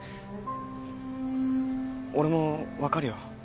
俺も分かるよ